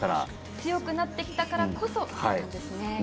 強くなってきたからこそですね。